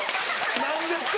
何ですか？